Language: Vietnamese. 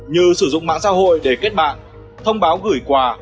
như sử dụng mạng xã hội để kết bạn thông báo gửi quà